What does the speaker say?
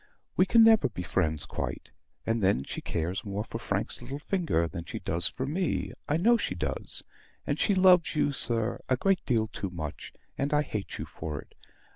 We can never be friends quite; and then, she cares more for Frank's little finger than she does for me I know she does: and she loves you, sir, a great deal too much; and I hate you for it.